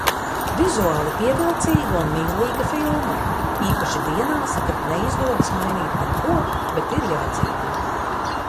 Vizuāli pievilcīga un mīlīga filma. Īpaši dienās, kad neizdodas mainīt neko, bet ir jādzīvo.